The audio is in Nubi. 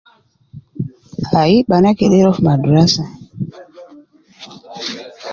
Ayi bana kede ruwa fi madrasa.